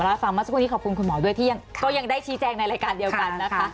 รับฟังเมื่อสักครู่นี้ขอบคุณคุณหมอด้วยที่ก็ยังได้ชี้แจงในรายการเดียวกันนะคะ